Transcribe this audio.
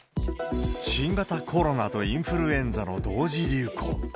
新型コロナとインフルエンザの同時流行。